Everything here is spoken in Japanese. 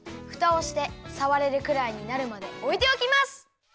ふたをしてさわれるくらいになるまでおいておきます！